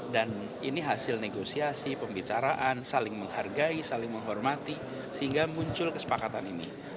dan ini hasil negosiasi pembicaraan saling menghargai saling menghormati sehingga muncul kesepakatan ini